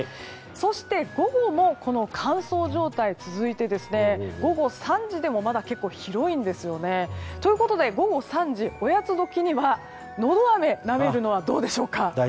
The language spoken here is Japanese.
そして午後もこの乾燥状態が続いて午後３時でもまだ結構、広いんですよね。ということで、午後３時おやつ時にはのど飴をなめるのはどうでしょうか。